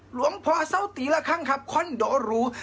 หลวงพ่อเศร้าตีละครั้งครับคอนโดหรู